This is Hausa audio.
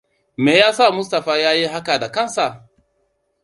Meyasa Mustapha ya yi haka da kansa?